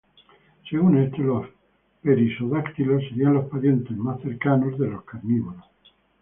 Según esto, los perisodáctilos serían los parientes más cercanos de los carnívoros.